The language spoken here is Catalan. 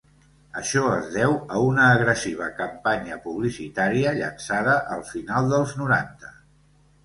Això es deu a una agressiva campanya publicitària llançada al final dels noranta.